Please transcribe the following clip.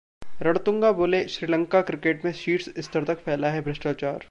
रणतुंगा बोले- श्रीलंका क्रिकेट में शीर्ष स्तर तक फैला है भ्रष्टाचार